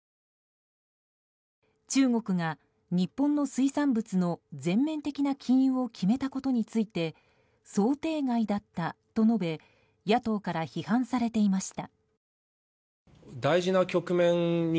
中国が日本の水産物の全面的な禁輸を決めたことについて想定外だったと述べ野党から批判されていました。